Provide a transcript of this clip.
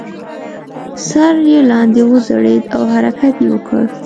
سر یې لاندې وځړید او حرکت یې وکړ.